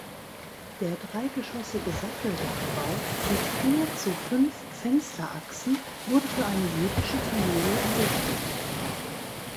Der dreigeschossige Satteldachbau mit vier zu fünf Fensterachsen wurde für eine jüdische Familie errichtet.